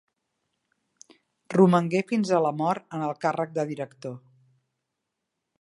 Romangué fins a la mort en el càrrec de director.